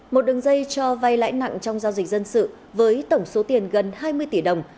một đường dây cho vay lãi nặng trong giao dịch dân sự với tổng số tiền gần hai mươi tỷ đồng